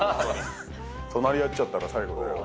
隣合っちゃったら最後だよね。